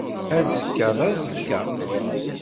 Azekka d aẓekka.